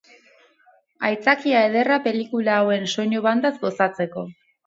Aitzakia ederra pelikula hauen soinu bandaz gozatzeko.